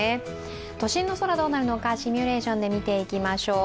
都心の空、どうなるのかシミュレーションで見ていきましょう。